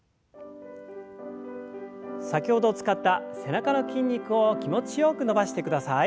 先ほど使った背中の筋肉を気持ちよく伸ばしてください。